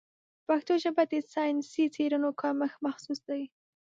په پښتو ژبه د ساینسي څېړنو کمښت محسوس دی.